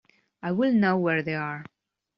I will know where they are.